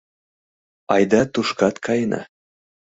— Айда тушкат каена.